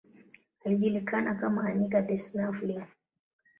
Alijulikana kama Anica the Snuffling.